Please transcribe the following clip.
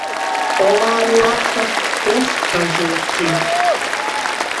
Polārlapsas puskažociņš.